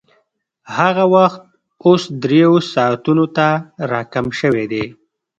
هغه وخت اوس درېیو ساعتونو ته راکم شوی دی